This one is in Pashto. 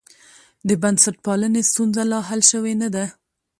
د بنسټپالنې ستونزه لا حل شوې نه ده.